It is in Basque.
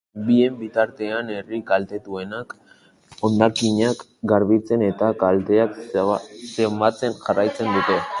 Bien bitartean, herri kaltetuenek hondakinak garbitzen eta kalteak zenbatzen jarraitzen dute.